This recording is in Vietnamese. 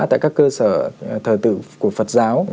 tại các cơ sở thờ tử của phật giáo